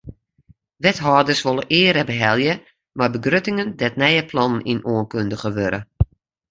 Wethâlders wolle eare behelje mei begruttingen dêr't nije plannen yn oankundige wurde.